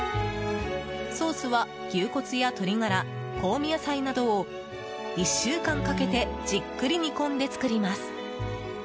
ソースは、牛骨や鶏ガラ香味野菜などを１週間かけてじっくり煮込んで作ります。